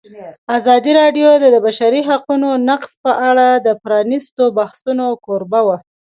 ازادي راډیو د د بشري حقونو نقض په اړه د پرانیستو بحثونو کوربه وه.